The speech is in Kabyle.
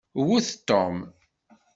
Wet Tom!